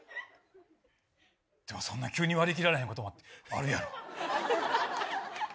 でもそんな急に割り切られへんことだってあるやろ。